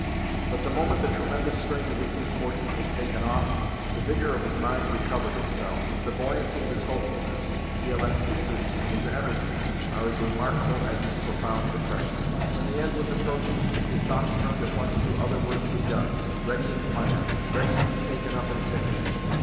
But the moment the tremendous strain of his misfortunes was taken off, the vigour of his mind recovered itself. The buoyancy of his hopefulness, the elasticity of his energy, are as remarkable as his profound depression. When the end was approaching, his thoughts turned at once to other work to be done, ready in plan, ready to be taken up and finished.